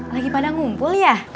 lagi pada ngumpul ya